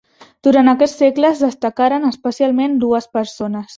Durant aquests segles destacaren especialment dues persones.